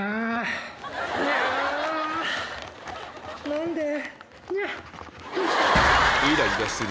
何で？